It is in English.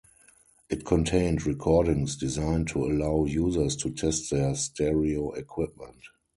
It contained recordings designed to allow users to test their stereo equipment.